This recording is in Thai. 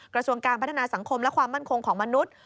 กระทรวงการพัฒนาสังคมและความมั่นคงของมนุษย์